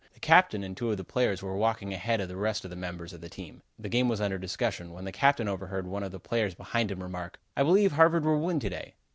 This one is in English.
The captain and two of the players were walking ahead of the rest of the members of the team. The game was under discussion, when the captain overheard one of the players behind him remark: "I believe Harvard will win to day."